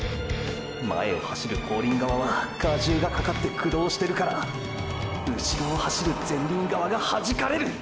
前を走る後輪側は荷重がかかって駆動してるからうしろを走る前輪側がはじかれる！！